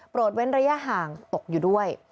เว้นระยะห่างตกอยู่ด้วย